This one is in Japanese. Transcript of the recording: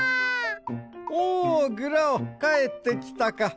おおグラオかえってきたか。